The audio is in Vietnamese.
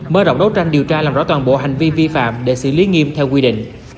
mới rộng đấu tranh điều tra làm rõ toàn bộ hành vi vi phạm để xử lý nghiêm theo quy định